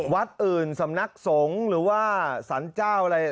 วัดอื่นสำนักสงฆ์หรือว่าสรรเจ้าอะไร